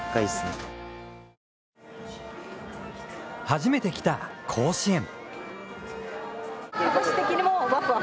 初めて来た甲子園。